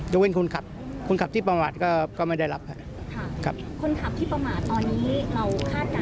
ก็เป็นคนขับคนขับที่ประมาทก็ก็ไม่ได้รับครับค่ะครับคนขับที่ประมาทตอนนี้เราคาดการณ